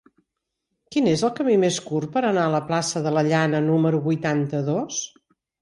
Quin és el camí més curt per anar a la plaça de la Llana número vuitanta-dos?